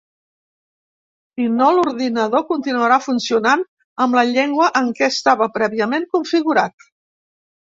Si no, l’ordinador continuarà funcionant amb la llengua en què estava prèviament configurat.